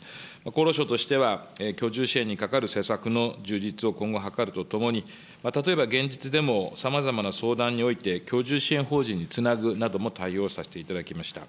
厚労省としては、居住支援にかかる施策の充実を今後図るとともに、例えば現実でもさまざまな相談において、居住支援法人につなぐなども対応させていただきました。